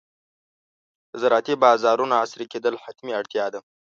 د زراعتي بازارونو عصري کېدل حتمي اړتیا ده.